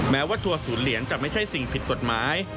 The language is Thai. แม้ว่าทัวร์ศูนย์เหรียญจะไม่ใช่สิ่งผิดกฎหมาย